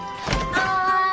はい。